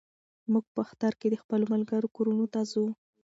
موږ په اختر کې د خپلو ملګرو کورونو ته ځو.